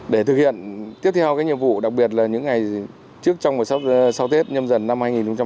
để thực hiện tiếp theo cái nhiệm vụ đặc biệt là những ngày trước trong một sáu thết nhâm dần năm hai nghìn hai mươi hai